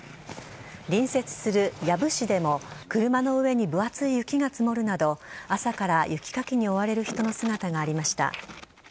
隣接する養父市でも車のうえに分厚い雪が積もるなど、朝から雪かきに追われる人の姿がありました。